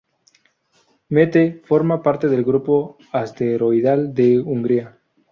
Mette forma parte del grupo asteroidal de Hungaria